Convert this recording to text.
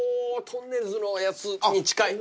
とんねるずのやつに近い。